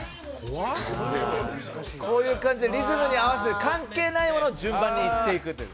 こういう感じでリズムに合わせて関係ないものを順番に言っていくという。